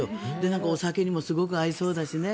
お酒にもすごく合いそうだしね